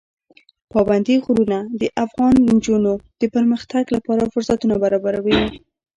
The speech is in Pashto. پابندی غرونه د افغان نجونو د پرمختګ لپاره فرصتونه برابروي.